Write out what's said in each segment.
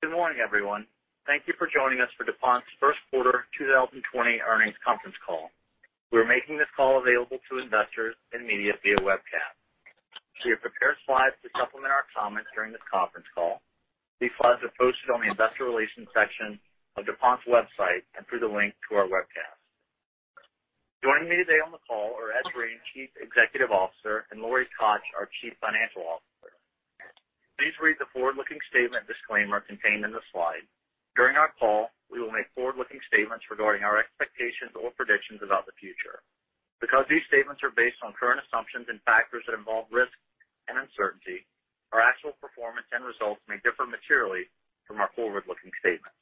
Good morning, everyone. Thank you for joining us for DuPont's first quarter 2020 earnings conference call. We're making this call available to investors and media via webcast. We have prepared slides to supplement our comments during this conference call. These slides are posted on the investor relations section of DuPont's website and through the link to our webcast. Joining me today on the call are Ed Breen, Chief Executive Officer, and Lori Koch, our Chief Financial Officer. Please read the forward-looking statement disclaimer contained in the slide. During our call, we will make forward-looking statements regarding our expectations or predictions about the future. Because these statements are based on current assumptions and factors that involve risk and uncertainty, our actual performance and results may differ materially from our forward-looking statements.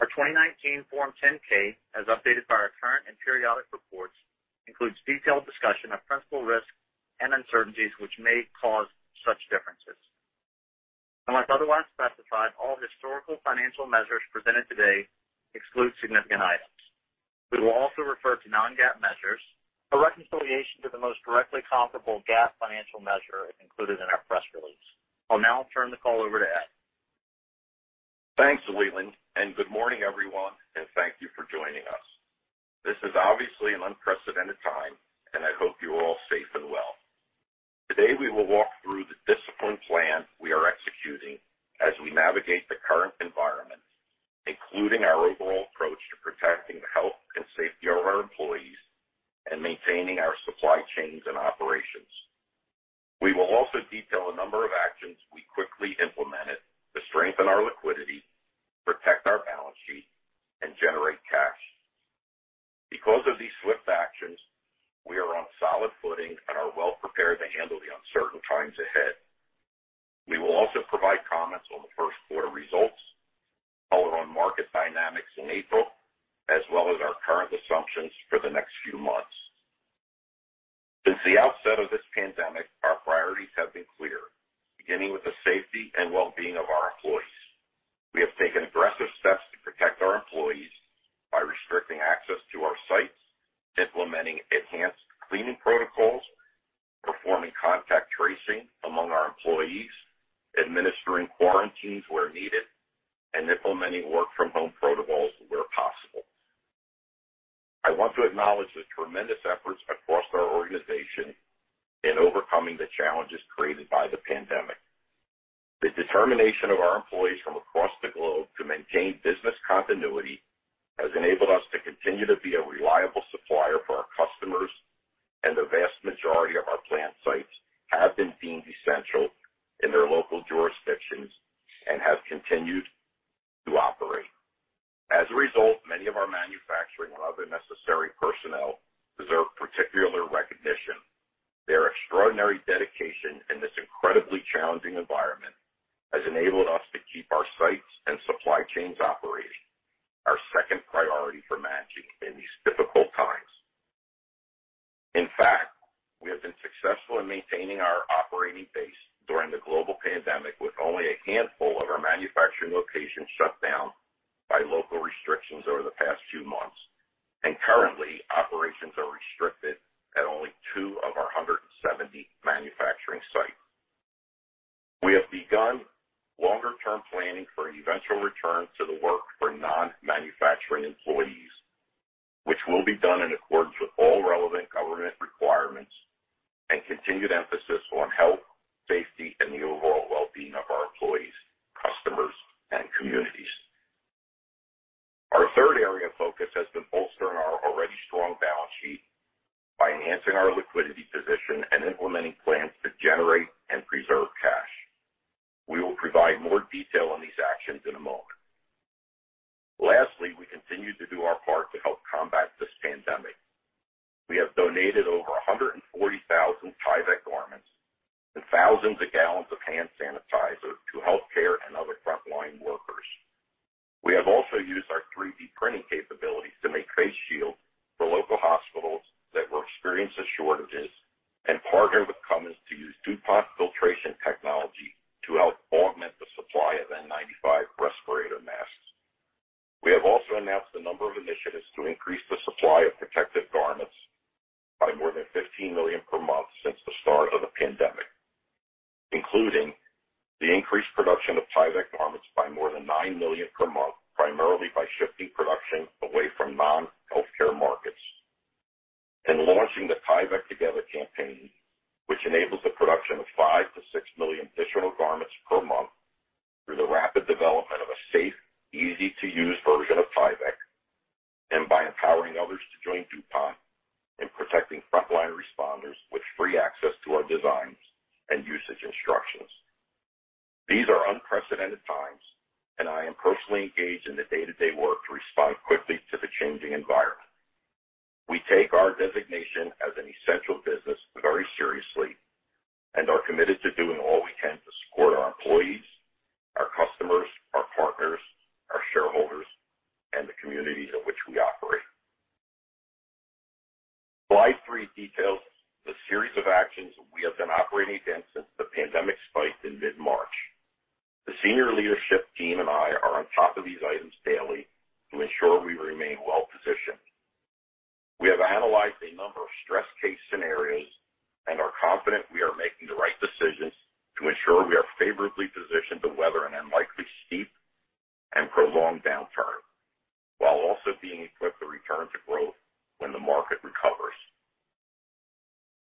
Our 2019 Form 10-K, as updated by our current and periodic reports, includes detailed discussion of principal risks and uncertainties which may cause such differences. Unless otherwise specified, all historical financial measures presented today exclude significant items. We will also refer to non-GAAP measures. A reconciliation to the most directly comparable GAAP financial measure is included in our press release. I'll now turn the call over to Ed. Thanks, Leland. Good morning, everyone, and thank you for joining us. This is obviously an unprecedented time, and I hope you're all safe and well. Today, we will walk through the disciplined plan we are executing as we navigate the current environment, including our overall approach to protecting the health and safety of our employees and maintaining our supply chains and operations. We will also detail a number of actions we quickly implemented to strengthen our liquidity, protect our balance sheet, and generate cash. Because of these swift actions, we are on solid footing and are well prepared to handle the uncertain times ahead. We will also provide comments on the first quarter results, color on market dynamics in April, as well as our current assumptions for the next few months. Since the outset of this pandemic, our priorities have been clear, beginning with the safety and wellbeing of our employees. We have taken aggressive steps to protect our employees by restricting access to our sites, implementing enhanced cleaning protocols, performing contact tracing among our employees, administering quarantines where needed, and implementing work-from-home protocols where possible. I want to acknowledge the tremendous efforts across our organization in overcoming the challenges created by the pandemic. The determination of our employees from across the globe to maintain business continuity has enabled us to continue to be a reliable supplier for our customers, and the vast majority of our plant sites have been deemed essential in their local jurisdictions and have continued to operate. As a result, many of our manufacturing and other necessary personnel deserve particular recognition. Their extraordinary dedication in this incredibly challenging environment has enabled us to keep our sites and supply chains operating, our second priority for managing in these difficult times. In fact, we have been successful in maintaining our operating base during the global pandemic with only a handful of our manufacturing locations shut down by local restrictions over the past few months. Currently, operations are restricted at only two of our 170 manufacturing sites. We have begun longer-term planning for an eventual return to the workforce for non-manufacturing employees, which will be done in accordance with all relevant government requirements and continued emphasis on health, safety, and the overall wellbeing of our employees, customers, and communities. Our third area of focus has been bolstering our already strong balance sheet by enhancing our liquidity position and implementing plans to generate and preserve cash. We will provide more detail on these actions in a moment. Lastly, we continue to do our part to help combat this pandemic. We have donated over 140,000 Tyvek garments and thousands of gallons of hand sanitizer to healthcare and other frontline workers. We have also used our 3D printing capabilities to make face shields for local hospitals that were experiencing shortages and partnered with Cummins to use DuPont filtration technology to help augment the supply of N95 respirator masks. We have also announced a number of initiatives to increase the supply of protective garments by more than 15 million per month since the start of the pandemic, including the increased production of Tyvek garments by more than 9 million per month, primarily by shifting production away from non-healthcare markets, and launching the TyvekTogether campaign, which enables the production of 5 million-6 million additional garments per month through the rapid development of a safe, easy-to-use version of Tyvek, and by empowering others to join DuPont in protecting frontline responders with free access to our designs and usage instructions. These are unprecedented times, and I am personally engaged in the day-to-day work to respond quickly to the changing environment. We take our designation as an essential business very seriously and are committed to doing all we can to support our employees, our customers, our partners, our shareholders, and the communities in which we operate. Slide three details the series of actions we have been operating in since the pandemic spiked in mid-March. The senior leadership team and I are on top of these items daily to ensure we remain well positioned. We have analyzed a number of stress case scenarios and are confident we are making the right decisions to ensure we are favorably positioned to weather an unlikely steep and prolonged downturn, while also being equipped to return to growth when the market recovers.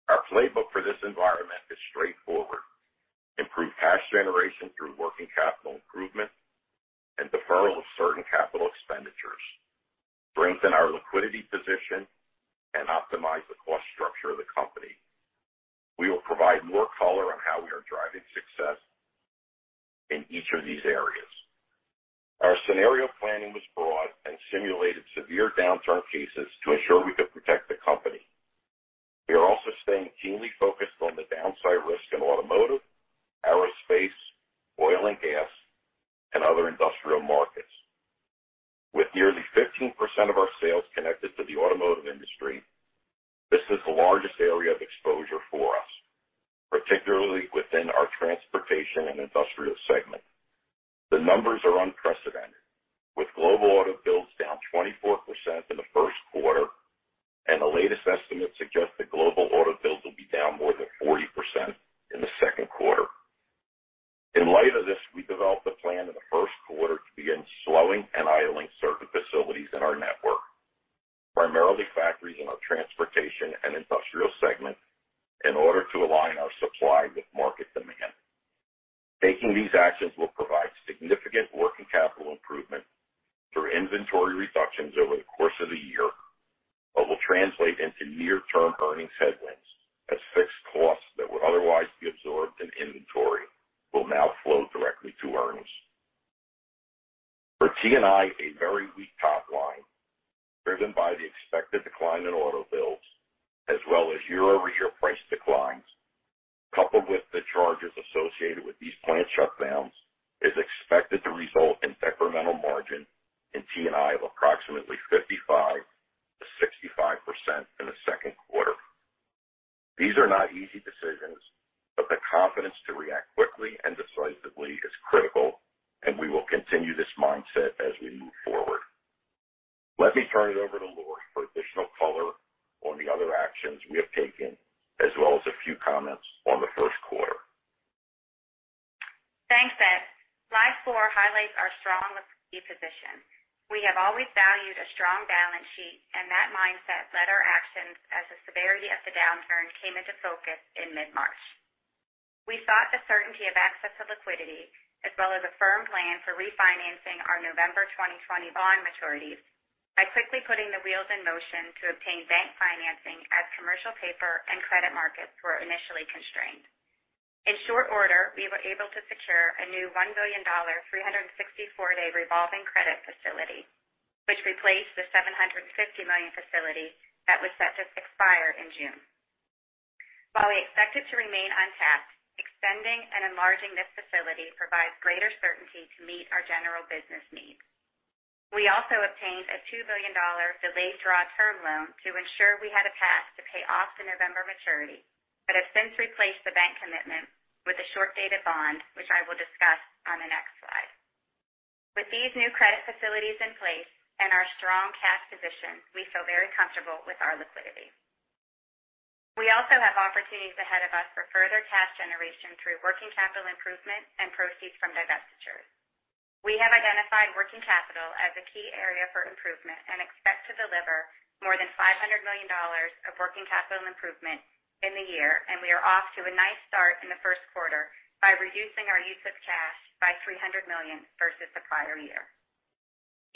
Our playbook for this environment is straightforward. Improve cash generation through working capital improvement and deferral of certain capital expenditures, strengthen our liquidity position, and optimize the cost structure of the company. We will provide more color on how we are driving success in each of these areas. Our scenario planning was broad and simulated severe downturn cases to ensure we could protect the company. We are also staying keenly focused on the downside risk in automotive, aerospace, oil and gas, and other industrial markets. With nearly 15% of our sales connected to the auto industry, this is the largest area of exposure for us, particularly within our Transportation & Industrial segment. The numbers are unprecedented, with global auto builds down 24% in the first quarter, and the latest estimates suggest that global auto builds will be down more than 40% in the second quarter. In light of this, we developed a plan in the first quarter to begin slowing and idling certain facilities in our network, primarily factories in our Transportation & Industrial segment, in order to align our supply with market demand. Taking these actions will provide significant working capital improvement through inventory reductions over the course of the year, but will translate into near-term earnings headwinds as fixed costs that would otherwise be absorbed in inventory will now flow directly to earnings. For T&I, a very weak top line driven by the expected decline in auto builds, as well as year-over-year price declines, coupled with the charges associated with these plant shutdowns, is expected to result in decremental margin in T&I of approximately 55%-65% in the second quarter. These are not easy decisions, but the confidence to react quickly and decisively is critical, and we will continue this mindset as we move forward. Let me turn it over to Lori for additional color on the other actions we have taken, as well as a few comments on the first quarter. Thanks, Ed. Slide four highlights our strong liquidity position. We have always valued a strong balance sheet, and that mindset led our actions as the severity of the downturn came into focus in mid-March. We sought the certainty of access to liquidity, as well as a firm plan for refinancing our November 2020 bond maturities by quickly putting the wheels in motion to obtain bank financing as commercial paper and credit markets were initially constrained. In short order, we were able to secure a new $1 billion 364-day revolving credit facility, which replaced the $750 million facility that was set to expire in June. While we expect it to remain untapped, extending and enlarging this facility provides greater certainty to meet our general business needs. We also obtained a $2 billion delayed draw term loan to ensure we had a path to pay off the November maturity, but have since replaced the bank commitment with a short-dated bond, which I will discuss on the next slide. With these new credit facilities in place and our strong cash position, we feel very comfortable with our liquidity. We also have opportunities ahead of us for further cash generation through working capital improvement and proceeds from divestitures. We have identified working capital as a key area for improvement and expect to deliver more than $500 million of working capital improvement in the year. We are off to a nice start in the first quarter by reducing our use of cash by $300 million versus the prior year.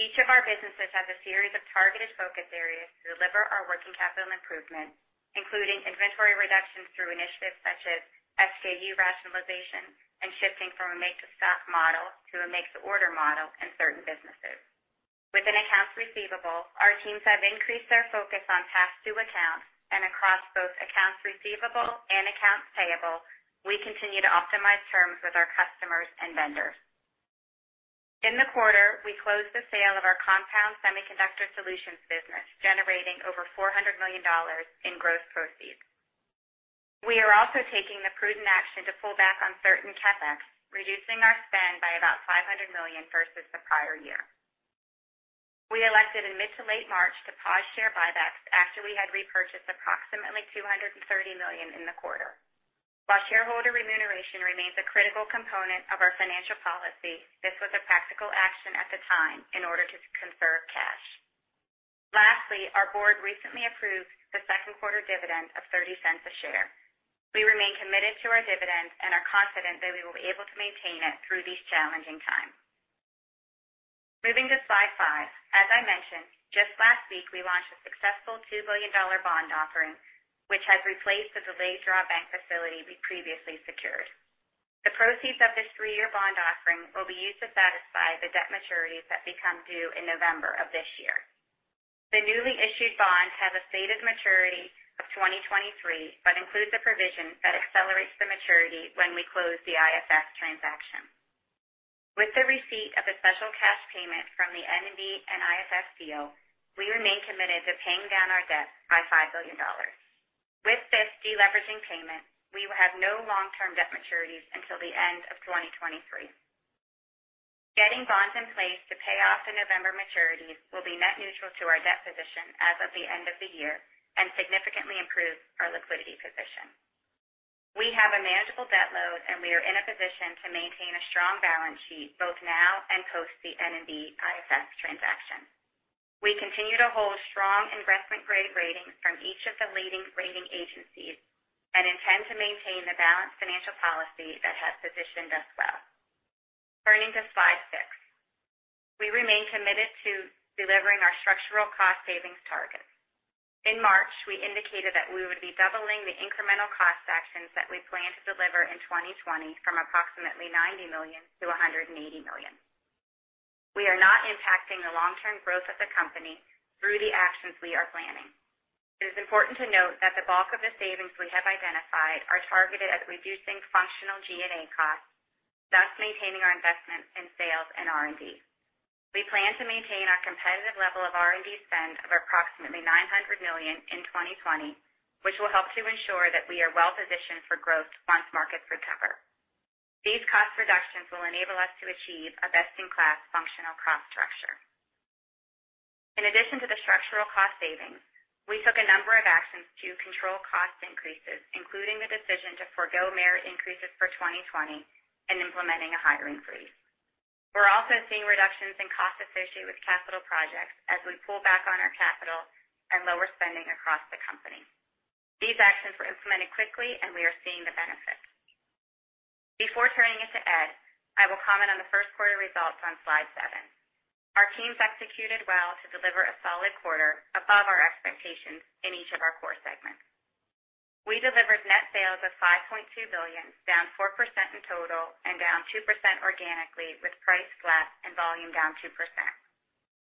Each of our businesses has a series of targeted focus areas to deliver our working capital improvement, including inventory reductions through initiatives such as SKU rationalization and shifting from a make to stock model to a make to order model in certain businesses. Within accounts receivable, our teams have increased their focus on past due accounts, and across both accounts receivable and accounts payable, we continue to optimize terms with our customers and vendors. In the quarter, we closed the sale of our Compound Semiconductor Solutions business, generating over $400 million in gross proceeds. We are also taking the prudent action to pull back on certain CapEx, reducing our spend by about $500 million versus the prior year. We elected in mid to late March to pause share buybacks after we had repurchased approximately $230 million in the quarter. While shareholder remuneration remains a critical component of our financial policy, this was a practical action at the time in order to conserve cash. Lastly, our board recently approved the second quarter dividend of $0.30 a share. We remain committed to our dividend and are confident that we will be able to maintain it through these challenging times. Moving to Slide five. As I mentioned, just last week, we launched a successful $2 billion bond offering, which has replaced the delayed draw bank facility we previously secured. The proceeds of this three-year bond offering will be used to satisfy the debt maturities that become due in November of this year. The newly issued bonds have a stated maturity of 2023 but includes a provision that accelerates the maturity when we close the IFF transaction. With the receipt of a special cash payment from the N&B and IFF deal, we remain committed to paying down our debt by $5 billion. With this deleveraging payment, we will have no long-term debt maturities until the end of 2023. Getting bonds in place to pay off the November maturities will be net neutral to our debt position as of the end of the year and significantly improve our liquidity position. We have a manageable debt load, and we are in a position to maintain a strong balance sheet both now and post the N&B IFF transaction. We continue to hold strong investment-grade ratings from each of the leading rating agencies and intend to maintain the balanced financial policy that has positioned us well. Turning to Slide six. We remain committed to delivering our structural cost savings targets. In March, we indicated that we would be doubling the incremental cost actions that we plan to deliver in 2020 from approximately $90 million-$180 million. We are not impacting the long-term growth of the company through the actions we are planning. It is important to note that the bulk of the savings we have identified are targeted at reducing functional G&A costs, thus maintaining our investments in sales and R&D. We plan to maintain our competitive level of R&D spend of approximately $900 million in 2020, which will help to ensure that we are well-positioned for growth once markets recover. These cost reductions will enable us to achieve a best-in-class functional cost structure. In addition to the structural cost savings, we took a number of actions to control cost increases, including the decision to forgo merit increases for 2020 and implementing a hiring freeze. We're also seeing reductions in costs associated with capital projects as we pull back on our capital and lower spending across the company. These actions were implemented quickly, and we are seeing the benefit. Before turning it to Ed, I will comment on the first quarter results on Slide seven. Our teams executed well to deliver a solid quarter above our expectations in each of our core segments. We delivered net sales of $5.2 billion, down 4% in total and down 2% organically, with price flat and volume down 2%.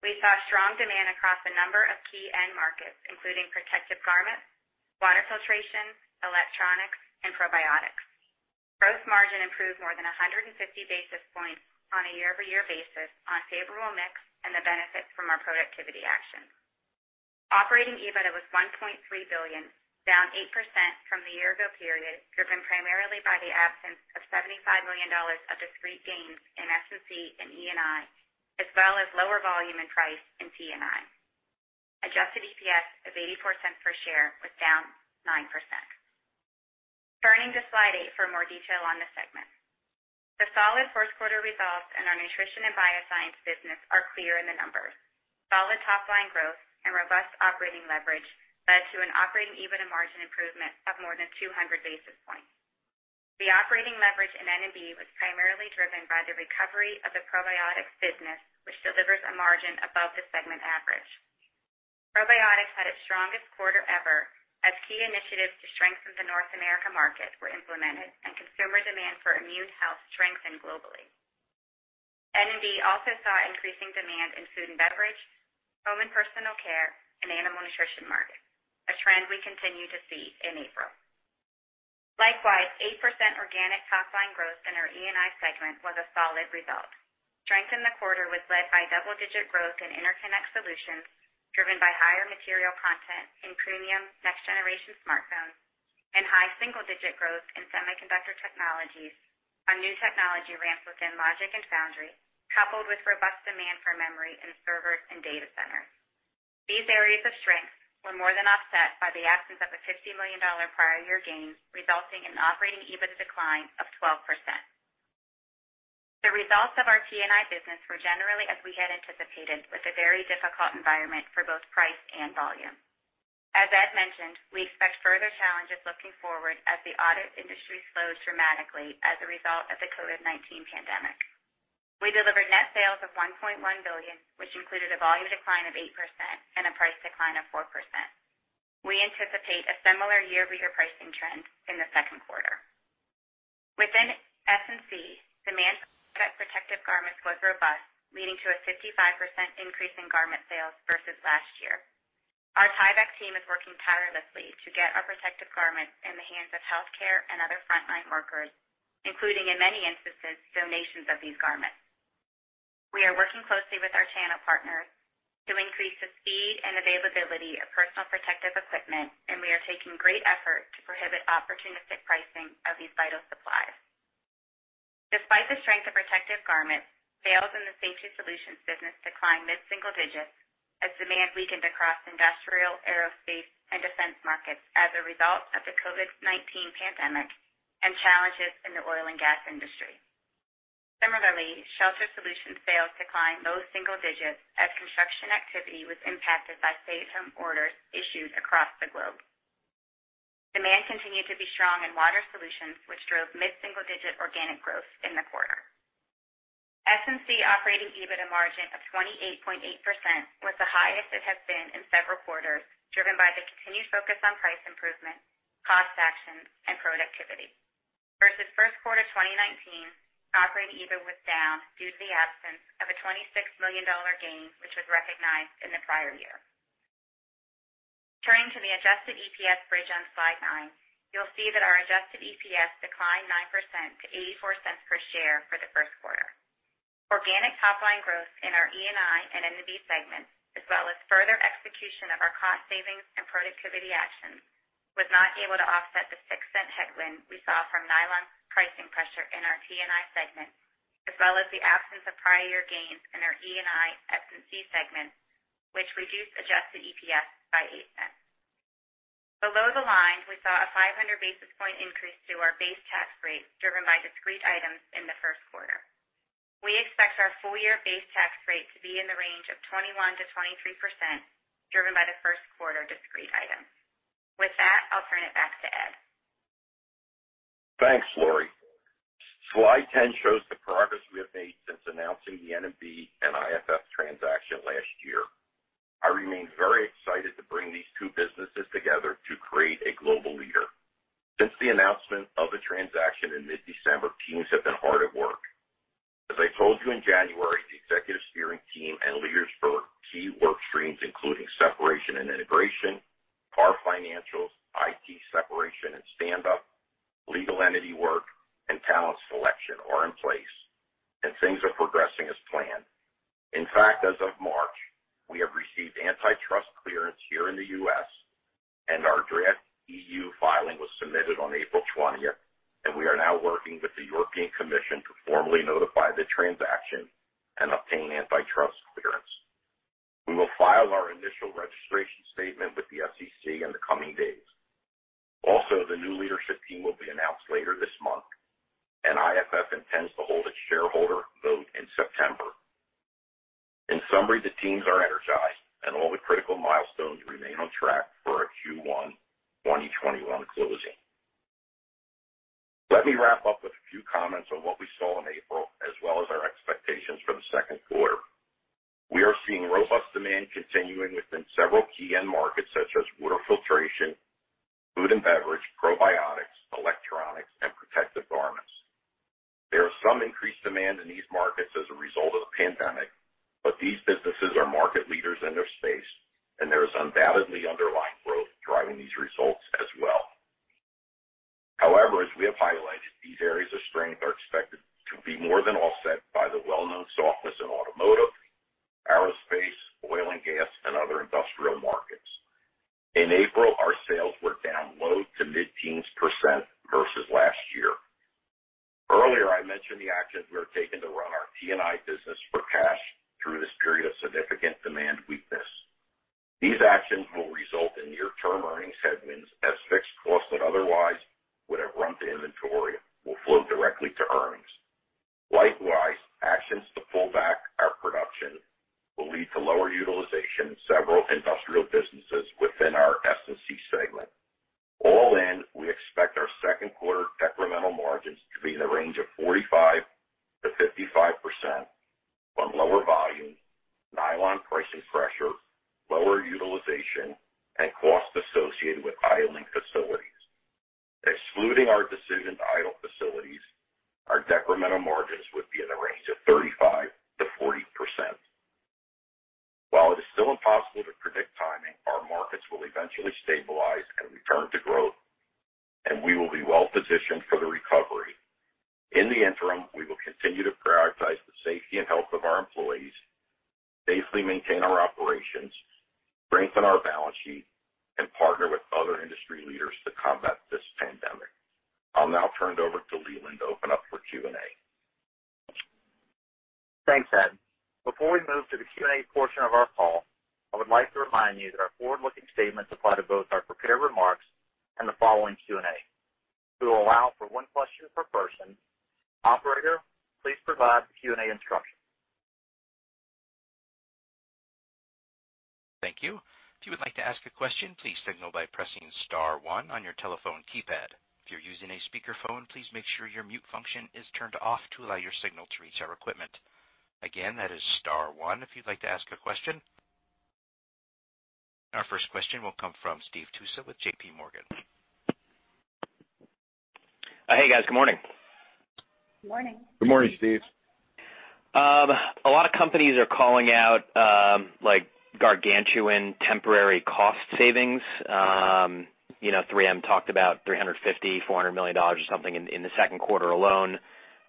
We saw strong demand across a number of key end markets, including protective garments, water filtration, electronics, and probiotics. Gross margin improved more than 150 basis points on a year-over-year basis on favorable mix and the benefit from our productivity actions. Operating EBITDA was $1.3 billion, down 8% from the year-ago period, driven primarily by the absence of $75 million of discrete gains in S&C and E&I, as well as lower volume and price in T&I. Adjusted EPS of $0.84 per share was down 9%. Turning to slide eight for more detail on the segments. The solid first quarter results in our Nutrition & Biosciences business are clear in the numbers. Solid top-line growth and robust operating leverage led to an operating EBITDA margin improvement of more than 200 basis points. The operating leverage in N&B was primarily driven by the recovery of the probiotics business, which delivers a margin above the segment average. Probiotics had its strongest quarter ever, as key initiatives to strengthen the North America market were implemented and consumer demand for immune health strengthened globally. N&B also saw increasing demand in food and beverage, home and personal care, and animal nutrition markets, a trend we continue to see in April. Likewise, 8% organic top-line growth in our E&I segment was a solid result. Strength in the quarter was led by double-digit growth in Interconnect Solutions, driven by higher material content in premium next-generation smartphones and high single-digit growth in Semiconductor Technologies on new technology ramps within logic and foundry, coupled with robust demand for memory in servers and data centers. These areas of strength were more than offset by the absence of a $50 million prior year gain, resulting in operating EBIT decline of 12%. The results of our T&I business were generally as we had anticipated, with a very difficult environment for both price and volume. As Ed mentioned, we expect further challenges looking forward as the auto industry slows dramatically as a result of the COVID-19 pandemic. We delivered net sales of $1.1 billion, which included a volume decline of 8% and a price decline of 4%. We anticipate a similar year-over-year pricing trend in the second quarter. Within S&C, demand for Tyvek protective garments was robust, leading to a 55% increase in garment sales versus last year. Our Tyvek team is working tirelessly to get our protective garments in the hands of healthcare and other frontline workers, including, in many instances, donations of these garments. We are working closely with our channel partners to increase the speed and availability of personal protective equipment, and we are taking great effort to prohibit opportunistic pricing of these vital supplies. Despite the strength of protective garments, sales in the safety solutions business declined mid-single digits as demand weakened across industrial, aerospace, and defense markets as a result of the COVID-19 pandemic and challenges in the oil and gas industry. Similarly, shelter solutions sales declined low single digits as construction activity was impacted by stay-at-home orders issued across the globe. Demand continued to be strong in Water Solutions, which drove mid-single-digit organic growth in the quarter. S&C operating EBITDA margin of 28.8% was the highest it has been in several quarters, driven by the continued focus on price improvement, cost actions, and productivity. Versus first quarter 2019, operating EBITDA was down due to the absence of a $26 million gain, which was recognized in the prior year. Turning to the adjusted EPS bridge on slide nine, you'll see that our adjusted EPS declined 9% to $0.84 per share for the first quarter. Organic top-line growth in our E&I and N&B segments, as well as further execution of our cost savings and productivity actions, was not able to offset the $0.06 headwind we saw from nylon pricing pressure in our T&I segment, as well as the absence of prior year gains in our E&I S&C segment, which reduced adjusted EPS by $0.08. Below the line, we saw a 500 basis point increase to our base tax rate, driven by discrete items in the first quarter. We expect our full-year base tax rate to be in the range of 21%-23%, driven by the first quarter discrete items. With that, I'll turn it back to Ed. Thanks, Lori. Slide 10 shows the progress we have made since announcing the N&B and IFF transaction last year. I remain very excited to bring these two businesses together to create a global leader. Since the announcement of the transaction in mid-December, teams have been hard at work. As I told you in January, the executive steering team and leaders for key work streams, including separation and integration, pro forma financials, IT separation and stand up, legal entity work, and talent selection are in place,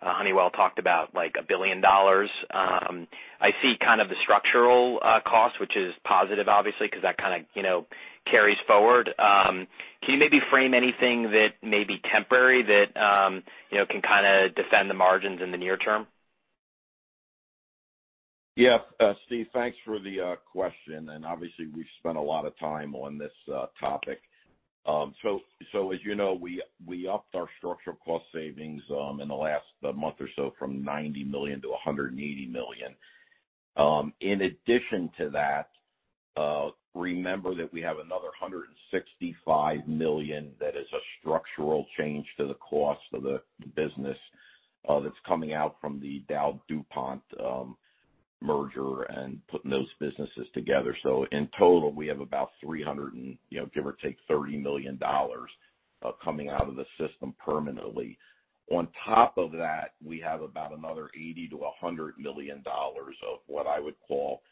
Honeywell talked about, like, $1 billion. I see kind of the structural cost, which is positive, obviously, because that kind of carries forward. Can you maybe frame anything that may be temporary that can defend the margins in the near-term? Yeah. Steve, thanks for the question. Obviously, we've spent a lot of time on this topic. As you know, we upped our structural cost savings in the last month or so from $90 million-$180 million. In addition to that, remember that we have another $165 million that is a structural change to the cost of the business that's coming out from the DowDuPont merger and putting those businesses together. In total, we have about $300 and give or take $30 million coming out of the system permanently. On top of that, we have about another $80 million-$100 million of what I would call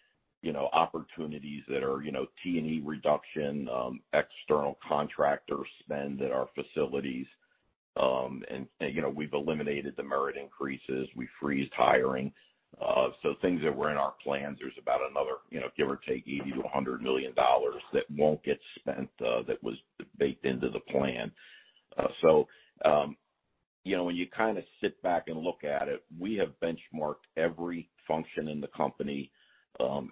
opportunities that are T&E reduction, external contractor spend at our facilities. We've eliminated the merit increases. We've freezed hiring. Things that were in our plans, there's about another, give or take, $80 million-$100 million that won't get spent that was baked into the plan. When you sit back and look at it, we have benchmarked every function in the company,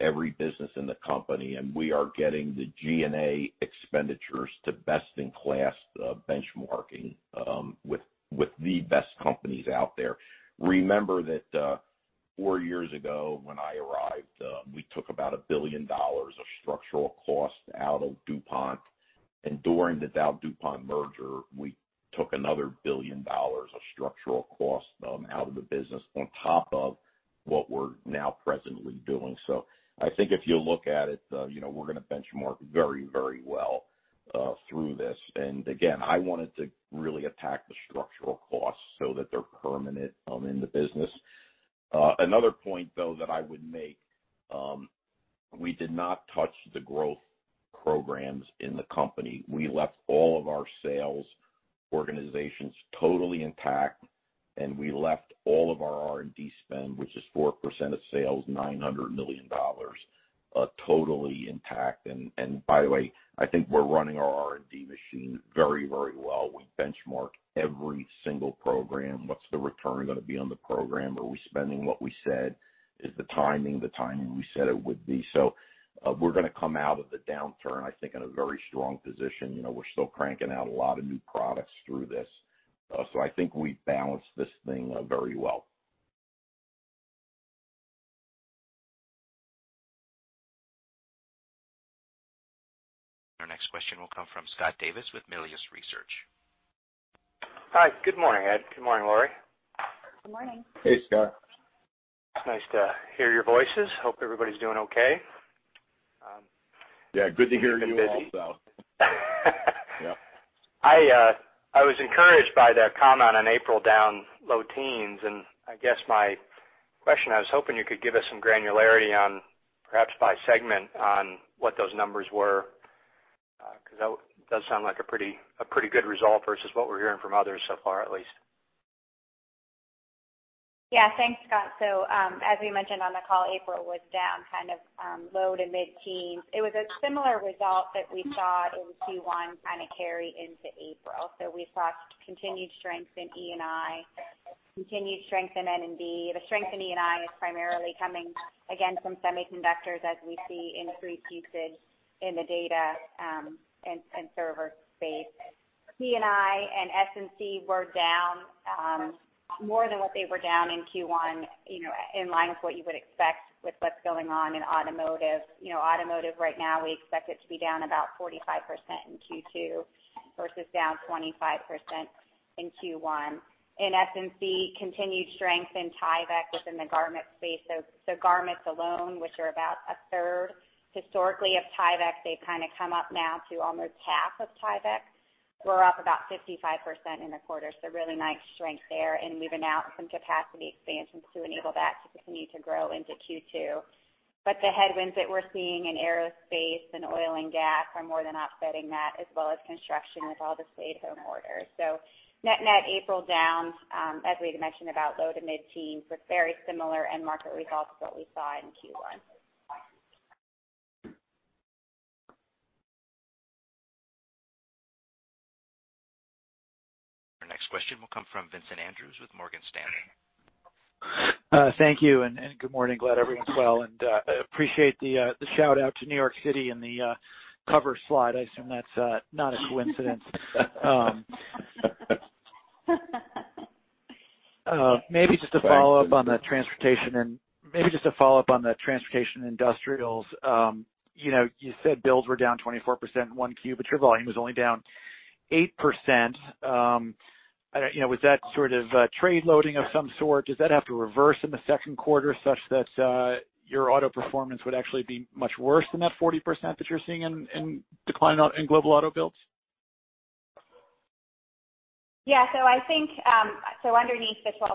every business in the company, and we are getting the G&A expenditures to best in class benchmarking with the best companies out there. Remember that four years ago when I arrived, we took about $1 billion of structural cost out of DuPont. During the DowDuPont merger, we took another $1 billion of structural cost out of the business on top of what we're now presently doing. I think if you look at it, we're going to benchmark very well through this. Again, I wanted to really attack the structural costs so that they're permanent in the business. Another point, though, that I would make, we did not touch the growth programs in the company. We left all of our sales organizations totally intact, and we left all of our R&D spend, which is 4% of sales, $900 million, totally intact. By the way, I think we're running our R&D machine very well. We benchmark every single program. What's the return going to be on the program? Are we spending what we said? Is the timing the timing we said it would be? We're going to come out of the downturn, I think, in a very strong position. We're still cranking out a lot of new products through this. I think we've balanced this thing very well. Our next question will come from Scott Davis with Melius Research. Hi, good morning, Ed. Good morning, Lori. Good morning. Hey, Scott. It's nice to hear your voices. Hope everybody's doing okay. Yeah, good to hear you also. Yeah. I was encouraged by the comment on April down low teens, and I guess my question, I was hoping you could give us some granularity on perhaps by segment on what those numbers were, because that does sound like a pretty good result versus what we're hearing from others so far, at least. Thanks, Scott. As we mentioned on the call, April was down kind of low to mid-teens. It was a similar result that we saw in Q1 kind of carry into April. We saw continued strength in E&I, continued strength in N&B. The strength in E&I is primarily coming, again, from semiconductors as we see increased usage in the data and server space. T&I and S&C were down more than what they were down in Q1 in line with what you would expect with what's going on in automotive. Automotive right now, we expect it to be down about 45% in Q2 versus down 25% in Q1. In S&C, continued strength in Tyvek within the garment space. Garments alone, which are about a third historically of Tyvek, they've kind of come up now to almost half of Tyvek. We're up about 55% in the quarter, really nice strength there, and we've announced some capacity expansions to enable that to continue to grow into Q2. The headwinds that we're seeing in aerospace and oil and gas are more than offsetting that, as well as construction with all the stay-at-home orders. Net-net April down, as we had mentioned, about low to mid-teens, with very similar end market results to what we saw in Q1. Our next question will come from Vincent Andrews with Morgan Stanley. Thank you, and good morning. Glad everyone's well, and appreciate the shout-out to New York City in the cover slide. I assume that's not a coincidence. Maybe just a follow-up on the Transportation & Industrial. You said builds were down 24% in Q1, but your volume was only down 8%. Was that sort of trade loading of some sort? Does that have to reverse in the second quarter such that your auto performance would actually be much worse than that 40% that you're seeing in decline in global auto builds? Yeah. I think, underneath the 12%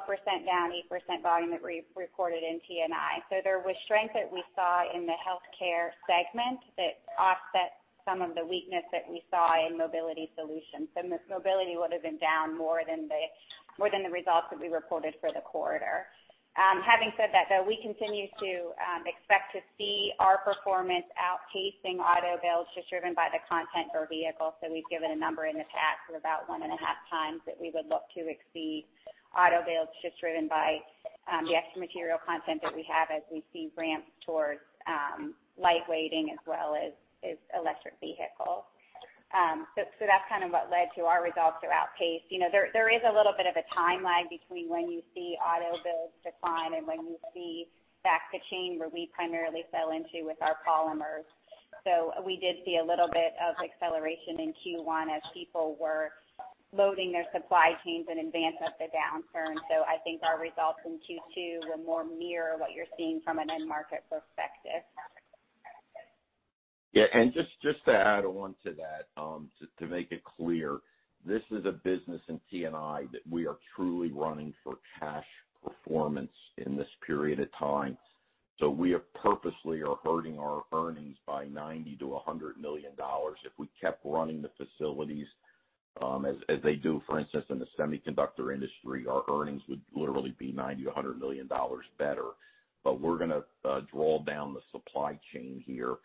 down, 8% volume that we've recorded in T&I. There was strength that we saw in the healthcare segment that offset some of the weakness that we saw in Mobility Solutions. Mobility would have been down more than the results that we reported for the quarter. Having said that, though, we continue to expect to see our performance outpacing auto builds just driven by the content per vehicle. We've given a number in the past of about 1.5x that we would look to exceed auto builds just driven by the extra material content that we have as we see ramps towards lightweighting as well as electric vehicles. That's kind of what led to our results to outpace. There is a little bit of a time lag between when you see auto builds decline and when you see back the chain where we primarily sell into with our polymers. We did see a little bit of acceleration in Q1 as people were loading their supply chains in advance of the downturn. I think our results in Q2 will more mirror what you're seeing from an end market perspective. Yeah, just to add on to that, to make it clear, this is a business in T&I that we are truly running for cash performance in this period of time. We are purposely hurting our earnings by $90 million-$100 million. If we kept running the facilities, as they do, for instance, in the semiconductor industry, our earnings would literally be $90 million-$100 million better. We're going to draw down the supply chain here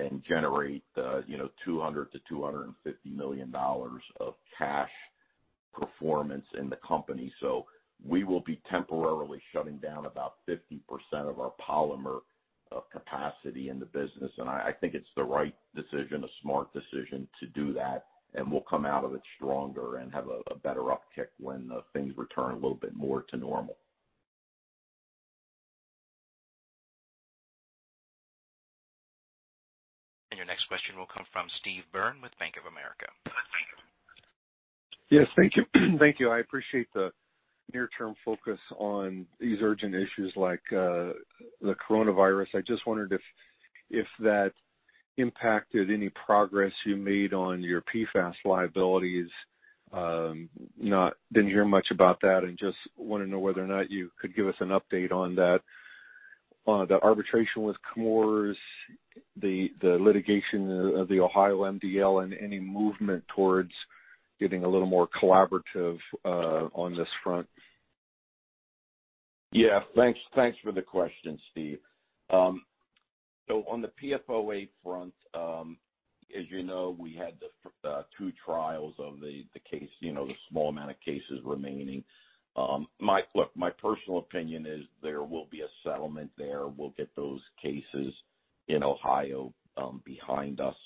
and generate $200 million-$250 million of cash performance in the company. We will be temporarily shutting down about 50% of our polymer capacity in the business, and I think it's the right decision, a smart decision to do that, and we'll come out of it stronger and have a better uptick when things return a little bit more to normal. Your next question will come from Steve Byrne with Bank of America. Yes. Thank you. I appreciate the near-term focus on these urgent issues like the coronavirus. I just wondered if that impacted any progress you made on your PFAS liabilities. Didn't hear much about that and just want to know whether or not you could give us an update on that. The arbitration with Chemours, the litigation of the Ohio MDL, and any movement towards getting a little more collaborative on this front. Thanks for the question, Steve. On the PFOA front, as you know, we had the two trials of the case, the small amount of cases remaining. My personal opinion is there will be a settlement there. We'll get those cases in Ohio behind us.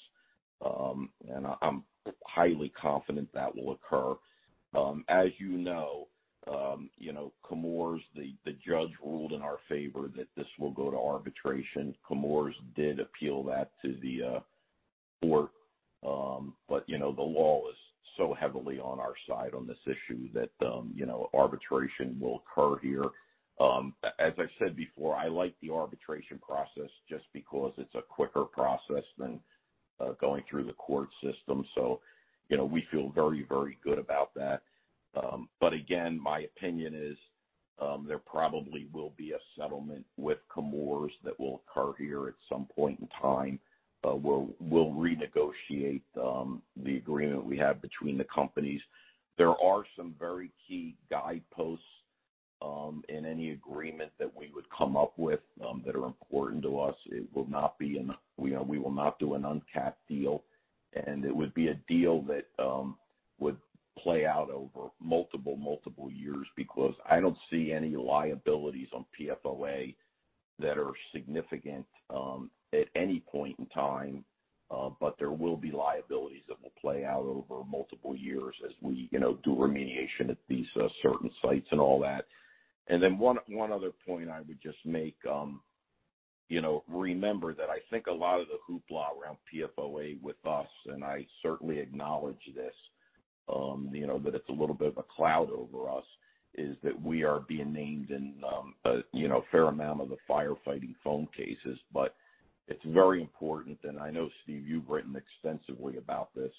I'm highly confident that will occur. As you know, Chemours, the judge ruled in our favor that this will go to arbitration. Chemours did appeal that to the court. The law is so heavily on our side on this issue that arbitration will occur here. As I've said before, I like the arbitration process just because it's a quicker process than going through the court system. We feel very, very good about that. Again, my opinion is, there probably will be a settlement with Chemours that will occur here at some point in time. We'll renegotiate the agreement we have between the companies. There are some very key guideposts in any agreement that we would come up with that are important to us. We will not do an uncapped deal, and it would be a deal that would play out over multiple years because I don't see any liabilities on PFOA that are significant at any point in time. There will be liabilities that will play out over multiple years as we do remediation at these certain sites and all that. One other point I would just make. Remember that I think a lot of the hoopla around PFOA with us, and I certainly acknowledge this, that it's a little bit of a cloud over us, is that we are being named in a fair amount of the firefighting foam cases. It's very important, and I know, Steve, you've written extensively about this.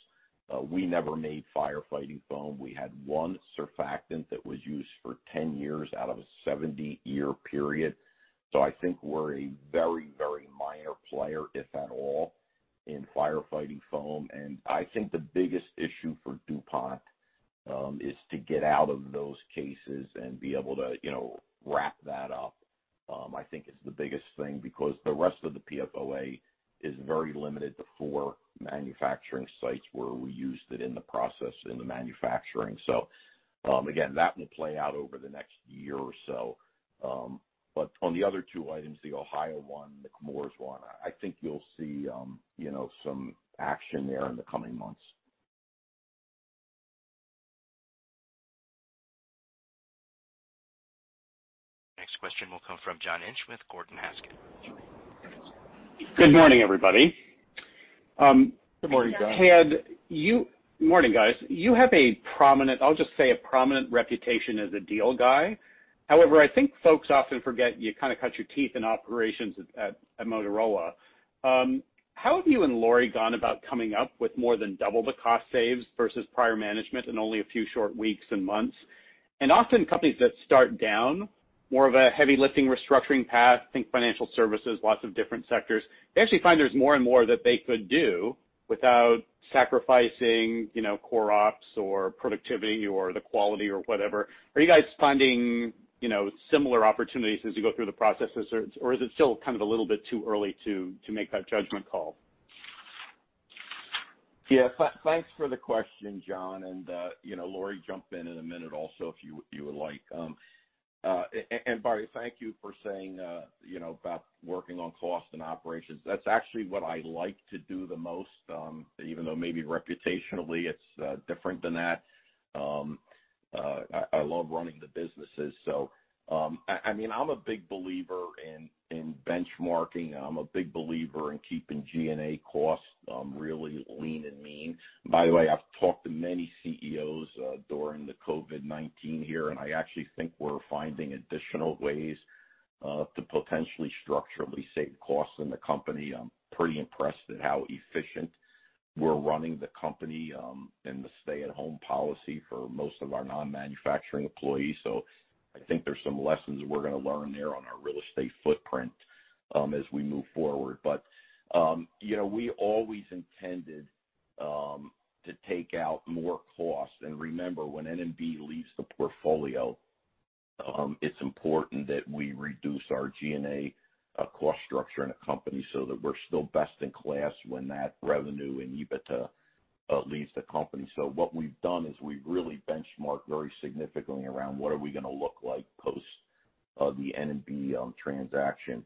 We never made firefighting foam. We had one surfactant that was used for 10 years out of a 70-year period. I think we're a very minor player, if at all, in firefighting foam. I think the biggest issue for DuPont is to get out of those cases and be able to wrap that up. I think it's the biggest thing because the rest of the PFOA is very limited to four manufacturing sites where we used it in the process in the manufacturing. Again, that will play out over the next year or so. On the other two items, the Ohio one, the Chemours one, I think you'll see some action there in the coming months. Next question will come from John Inch with Gordon Haskett. Good morning, everybody. Good morning, John. Morning, guys. You have a prominent, I'll just say, a prominent reputation as a deal guy. However, I think folks often forget you kind of cut your teeth in operations at Motorola. How have you and Lori gone about coming up with more than double the cost saves versus prior management in only a few short weeks and months? Often companies that start down more of a heavy lifting restructuring path, think financial services, lots of different sectors, they actually find there's more and more that they could do without sacrificing core ops or productivity or the quality or whatever. Are you guys finding similar opportunities as you go through the processes, or is it still kind of a little bit too early to make that judgment call? Yeah. Thanks for the question, John, and Lori, jump in in a minute also, if you would like. John, thank you for saying about working on cost and operations. That's actually what I like to do the most, even though maybe reputationally it's different than that. I love running the businesses. I'm a big believer in benchmarking. I'm a big believer in keeping G&A costs really lean and mean. By the way, I've talked to many CEOs during the COVID-19 here, and I actually think we're finding additional ways to potentially structurally save costs in the company. I'm pretty impressed at how efficient we're running the company in the stay-at-home policy for most of our non-manufacturing employees. I think there's some lessons we're going to learn there on our real estate footprint as we move forward. We always intended to take out more cost. Remember, when N&B leaves the portfolio, it's important that we reduce our G&A cost structure in the company so that we're still best in class when that revenue and EBITDA leaves the company. What we've done is we've really benchmarked very significantly around what are we going to look like post the N&B transaction.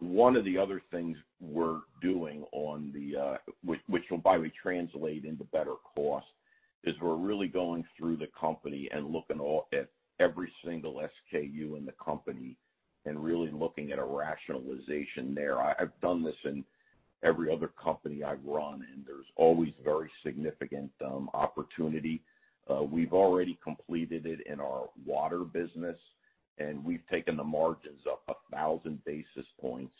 One of the other things we're doing, which will probably translate into better cost, is we're really going through the company and looking at every single SKU in the company and really looking at a rationalization there. I've done this in every other company I've run, and there's always very significant opportunity. We've already completed it in our water business, and we've taken the margins up 1,000 basis points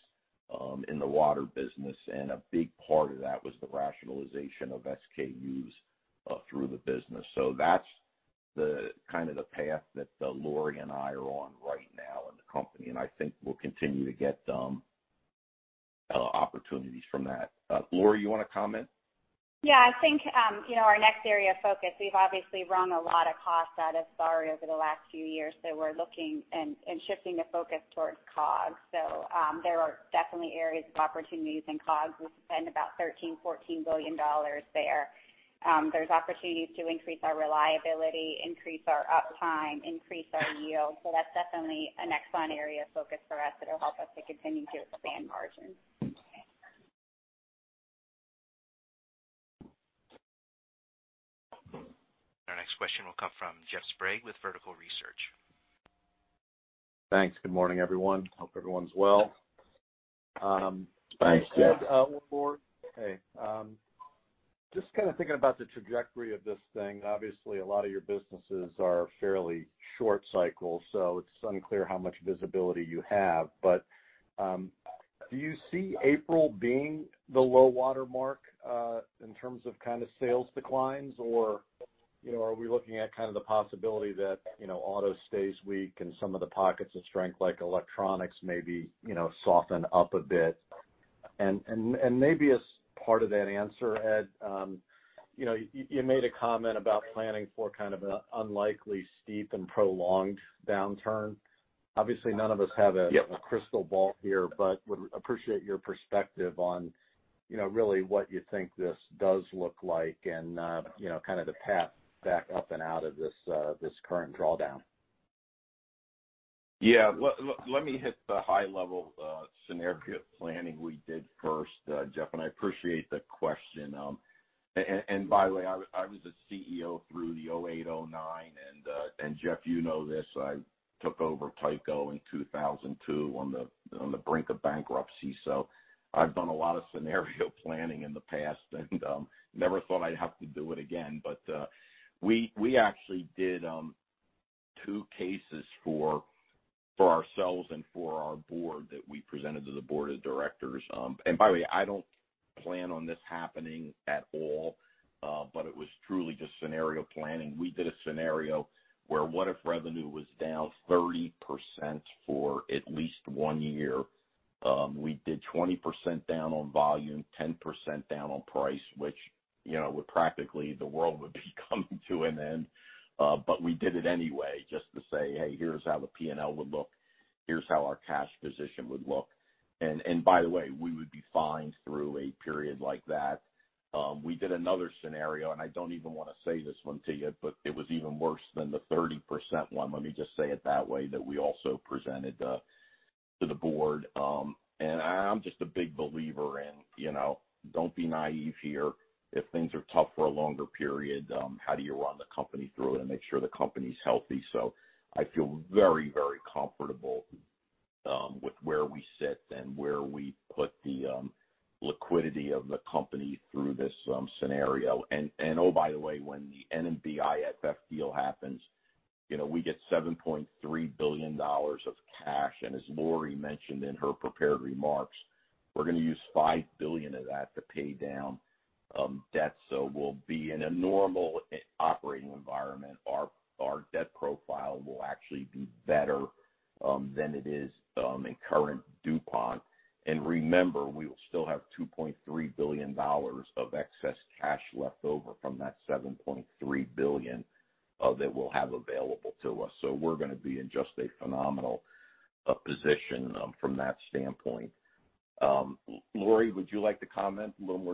in the water business. A big part of that was the rationalization of SKUs through the business. That's kind of the path that Lori and I are on right now in the company, and I think we'll continue to get opportunities from that. Lori, you want to comment? Yeah. I think our next area of focus, we've obviously wrung a lot of cost out of SG&A over the last few years. We're looking and shifting the focus towards COGS. There are definitely areas of opportunities in COGS. We spend about $13 billion-$14 billion there. There's opportunities to increase our reliability, increase our uptime, increase our yield. That's definitely a next fun area of focus for us that'll help us to continue to expand margins. Our next question will come from Jeff Sprague with Vertical Research. Thanks. Good morning, everyone. Hope everyone's well. Thanks, Jeff. Hey. Just kind of thinking about the trajectory of this thing. Obviously, a lot of your businesses are fairly short cycle, so it's unclear how much visibility you have, but do you see April being the low water mark in terms of kind of sales declines? Are we looking at kind of the possibility that auto stays weak and some of the pockets of strength, like electronics, maybe soften up a bit? Maybe as part of that answer, Ed, you made a comment about planning for kind of an unlikely steep and prolonged downturn. Obviously, none of us have. Yep crystal ball here, but would appreciate your perspective on really what you think this does look like and kind of the path back up and out of this current drawdown. Yeah. Let me hit the high-level scenario planning we did first, Jeff, and I appreciate the question. By the way, I was a CEO through 2008, 2009, and Jeff, you know this, I took over Tyco in 2002 on the brink of bankruptcy. I've done a lot of scenario planning in the past, and never thought I'd have to do it again. We actually did two cases for ourselves and for our board that we presented to the board of directors. By the way, I don't plan on this happening at all, but it was truly just scenario planning. We did a scenario where what if revenue was down 30% for at least one year? We did 20% down on volume, 10% down on price, which would practically the world would be coming to an end. We did it anyway just to say, Hey, here's how the P&L would look. Here's how our cash position would look. We would be fine through a period like that. We did another scenario. I don't even want to say this one to you, but it was even worse than the 30% one. Let me just say it that way, that we also presented to the board. I'm just a big believer in don't be naive here. If things are tough for a longer period, how do you run the company through it and make sure the company's healthy? I feel very comfortable with where we sit and where we put the liquidity of the company through this scenario. Oh, by the way, when the N&B-IFF deal happens, we get $7.3 billion of cash. As Lori mentioned in her prepared remarks, we're going to use $5 billion of that to pay down debt. We'll be in a normal operating environment. Our debt profile will actually be better than it is in current DuPont. Remember, we will still have $2.3 billion of excess cash left over from that $7.3 billion that we'll have available to us. We're going to be in just a phenomenal position from that standpoint. Lori, would you like to comment? A little